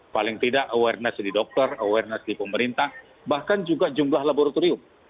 paling tidak awareness di dokter awareness di pemerintah bahkan juga jumlah laboratorium